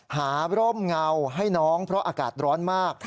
หาร่มเงาให้น้องเพราะอากาศร้อนมาก